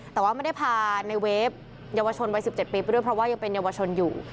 แต่ว่าไม่ได้พาในเวฟเยาวชนวัย๑๗ปีไปด้วยเพราะว่ายังเป็นเยาวชนอยู่